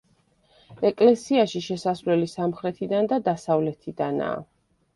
ეკლესიაში შესასვლელი სამხრეთიდან და დასავლეთიდანაა.